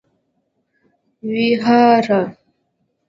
ويهاره